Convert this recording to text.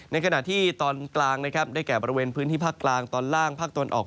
ในขณะที่ตอนกลางนะครับได้แก่บริเวณพื้นที่ภาคกลางตอนล่างภาคตะวันออก